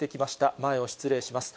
前を失礼します。